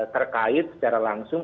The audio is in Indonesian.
terkait secara langsung